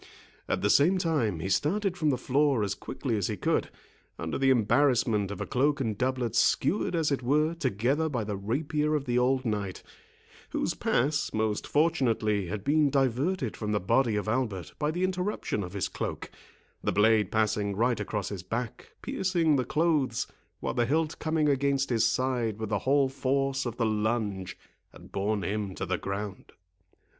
At the same time, he started from the floor as quickly as he could, under the embarrassment of a cloak and doublet skewered as it were together by the rapier of the old knight, whose pass, most fortunately, had been diverted from the body of Albert by the interruption of his cloak, the blade passing right across his back, piercing the clothes, while the hilt coming against his side with the whole force of the lunge, had borne him to the ground.